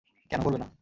কেন করবে না?